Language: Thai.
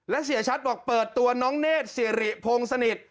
และเสียชัดบอกเปิดตัวน้องเนธสิริพงสนิท